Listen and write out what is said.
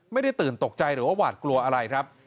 ไม่ได้ตื่นตกใจหรือว่าหวาดกลัวอะไรครับ